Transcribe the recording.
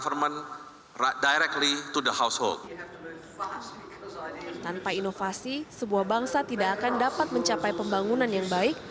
tanpa inovasi sebuah bangsa tidak akan dapat mencapai pembangunan yang baik